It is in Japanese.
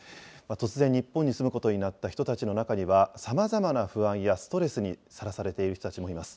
突然、日本に住むことになった人たちの中には、さまざまな不安やストレスにさらされている人たちもいます。